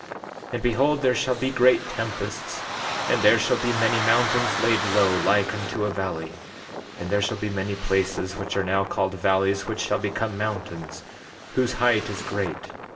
14:23 And behold, there shall be great tempests, and there shall be many mountains laid low, like unto a valley, and there shall be many places which are now called valleys which shall become mountains, whose height is great.